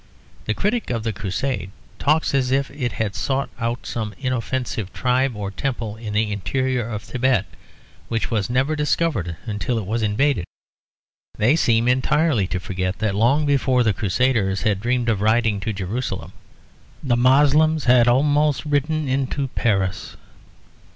The critic of the Crusade talks as if it had sought out some inoffensive tribe or temple in the interior of Thibet, which was never discovered until it was invaded. They seem entirely to forget that long before the Crusaders had dreamed of riding to Jerusalem, the Moslems had almost ridden into Paris.